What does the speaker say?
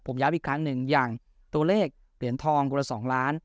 ผมย้ำอีกครั้งหนึ่งอย่างตัวเลขเหรียญทองคนละ๒ล้าน